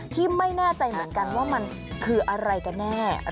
ที่ไม่แน่ใจเหมือนกันว่ามันคืออะไรกันแน่